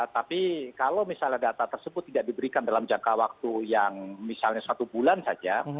tapi kalau misalnya data tersebut tidak diberikan dalam jangka waktu yang misalnya satu bulan saja